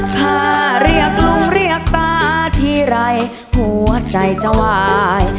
ถ้าเรียกลุงเรียกตาทีไรหัวใจจะวาย